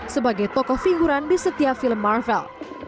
sebagai tokoh figuran di setiap film marvel